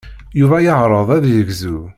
Yuba yeɛreḍ ad yegzu.